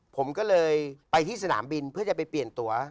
ผมก็เลยไปที่สนามบินเพื่อจะไปเปลี่ยนตัว